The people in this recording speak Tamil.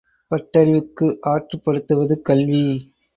பட்டறிவுக்கு ஆற்றுப்படுத்துவது கல்வி.